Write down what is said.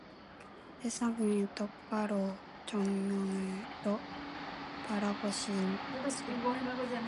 세상을 똑바로 정면으로 바라보십시오.